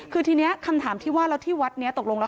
คือทีนี้คำถามที่ว่าแล้วที่วัดนี้ตกลงแล้ว